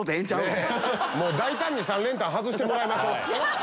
大胆に３連単外してもらいましょ。